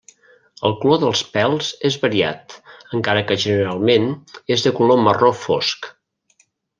El color dels pèls és variat, encara que generalment és de color marró fosc.